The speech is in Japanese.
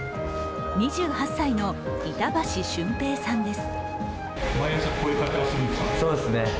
２８歳の板橋隼平さんです。